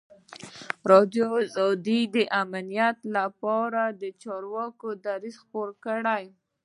ازادي راډیو د امنیت لپاره د چارواکو دریځ خپور کړی.